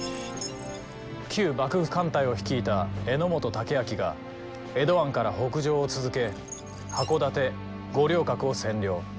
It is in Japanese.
旧幕府艦隊を率いた榎本武揚が江戸湾から北上を続け箱館五稜郭を占領。